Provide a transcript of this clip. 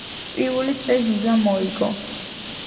პირველი წრე ჟუჟამ მოიგო.